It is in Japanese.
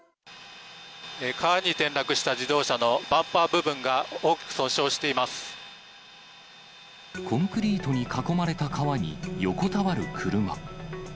川に転落した自動車のバンパコンクリートに囲まれた川に横たわる車。